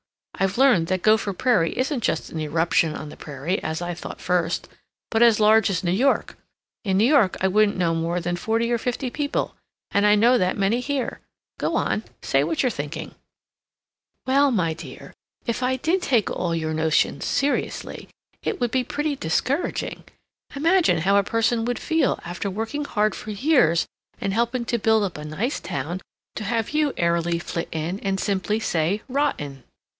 I've learned that Gopher Prairie isn't just an eruption on the prairie, as I thought first, but as large as New York. In New York I wouldn't know more than forty or fifty people, and I know that many here. Go on! Say what you're thinking." "Well, my dear, if I DID take all your notions seriously, it would be pretty discouraging. Imagine how a person would feel, after working hard for years and helping to build up a nice town, to have you airily flit in and simply say 'Rotten!'